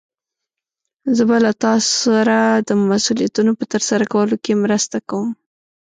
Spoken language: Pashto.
زه به له تا سره د مسؤليتونو په ترسره کولو کې مرسته کوم.